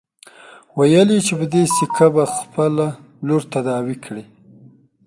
ويل يې چې په دې سيکه به خپله لور تداوي کړي.